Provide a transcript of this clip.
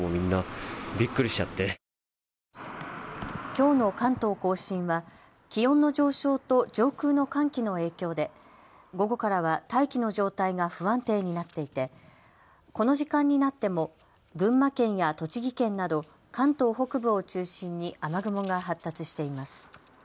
きょうの関東甲信は気温の上昇と上空の寒気の影響で午後からは大気の状態が不安定になっていてこの時間になっても群馬県や栃木県など関東北部を中心に雨雲が発達しています。